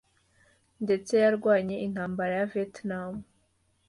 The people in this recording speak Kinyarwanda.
ndetse yarwanye intambara ya Vietnam